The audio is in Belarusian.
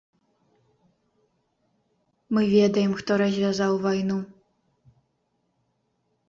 Мы ведаем, хто развязаў вайну.